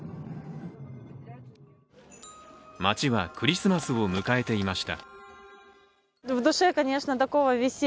街はクリスマスを迎えていました。